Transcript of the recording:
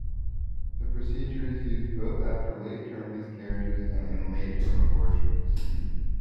The procedure is used both after late-term miscarriages and in late-term abortions.